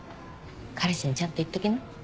彼氏にちゃんと言っときな。